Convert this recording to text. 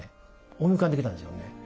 思い浮かんできたんですよね。